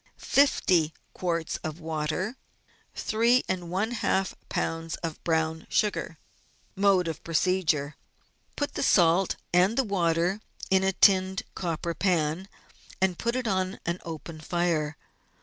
50 quarts of water. 3I lbs. of brown sugar. Mode of Procedure. — Put the salt and the water in a tinned copper pan, and put it on an open fire.